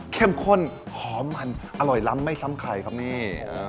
ข้นหอมมันอร่อยล้ำไม่ซ้ำใครครับนี่